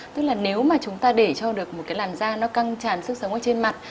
tức là nếu mà chúng ta để cho được một cái làn da nó căng tràn sức sống ở trên mặt